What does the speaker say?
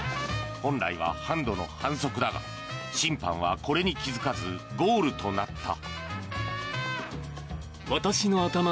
本来はハンドの反則だが審判はこれに気付かずゴールとなった。